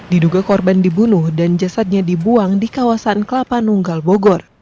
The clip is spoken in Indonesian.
diduga korban dibunuh dan jasadnya dibuang di kawasan kelapa nunggal bogor